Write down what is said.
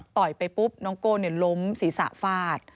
ต่อยไปปุ๊บน้องโก้ล้มศีรษะฟาด